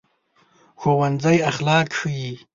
ښوونځی اخلاق ښيي